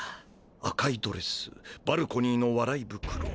赤いドレスバルコニーのわらいぶくろ